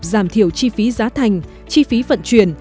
giúp doanh nghiệp giảm thiểu chi phí giá thành chi phí phận truyền